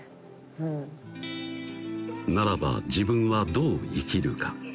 うんならば自分はどう生きるか